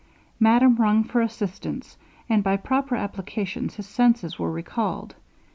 Madame rung for assistance, and by proper applications, his senses were recalled.